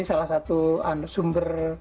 salah satu sumber